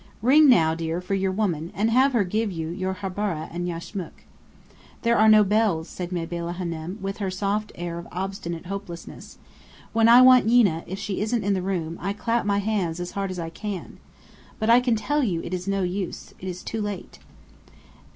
Ring now, dear, for your woman, and have her give you your habberah and yashmak." "There are no bells," said Mabella Hânem, with her soft air of obstinate hopelessness. "When I want Yeena, if she isn't in the room, I clap my hands as hard as I can. But I tell you, it is no use. It is too late."